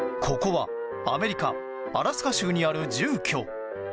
ここはアメリカアラスカ州にある住居。